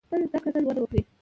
• تل زده کړه، تل وده وکړه.